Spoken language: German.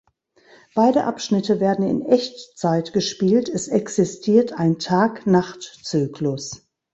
Beide Abschnitte werden in Echtzeit gespielt, es existiert ein Tag-Nacht-Zyklus.